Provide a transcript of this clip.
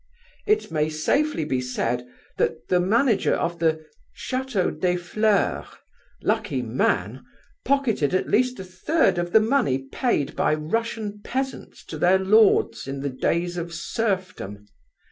It may safely be said that the manager of the Chateau des Fleurs (lucky man!) pocketed at least a third of the money paid by Russian peasants to their lords in the days of serfdom.